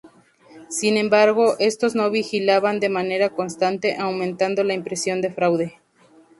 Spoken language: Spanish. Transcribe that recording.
Sin embargo, estos no vigilaban de manera constante, aumentando la impresión de fraude.